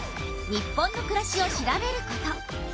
日本のくらしを調べること。